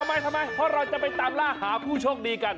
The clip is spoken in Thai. ทำไมทำไมเพราะเราจะไปตามล่าหาผู้โชคดีกัน